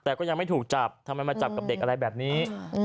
แต่ก็ยังไม่ถูกจับทำไมมาจับกับเด็กอะไรแบบนี้